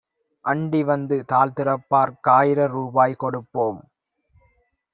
அண்டிவந்து தாழ்திறப்பார்க் காயிரரூ பாய்கொடுப்போம்.